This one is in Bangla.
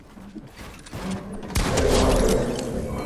তাকে পাওয়া যাবে।